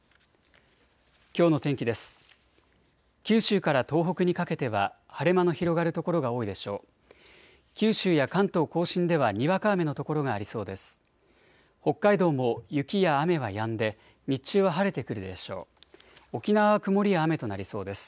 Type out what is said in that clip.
きょうの天気です。